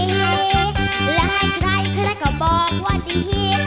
และให้ใครก็บอกว่าดี